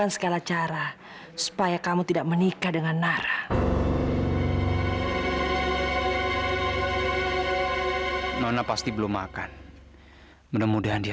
sampai jumpa di video selanjutnya